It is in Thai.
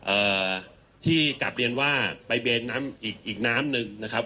เอ่อที่กลับเรียนว่าไปเบนน้ำอีกอีกน้ำหนึ่งนะครับ